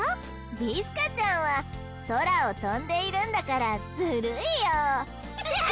ビスカちゃんは空を飛んでいるんだからずるいよ。